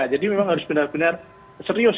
jadi memang harus benar benar serius